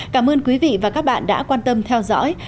cảm ơn quý vị và các bạn đã quan tâm theo dõi